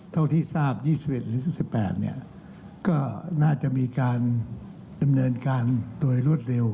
เท่าที่ทราบ๒๑หรือ๒๘ก็น่าจะมีการดำเนินการโดยรวดเร็ว